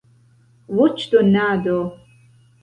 voĉdonado